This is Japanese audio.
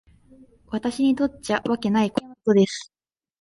私にとっちゃわけないことです。